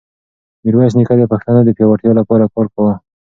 میرویس نیکه د پښتنو د پیاوړتیا لپاره کار کاوه.